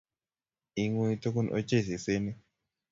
Ingui tugun ochei sesenik